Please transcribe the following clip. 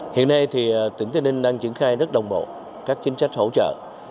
hiện nay thì tỉnh tây ninh đang triển khai rất đồng bộ các chính sách hỗ trợ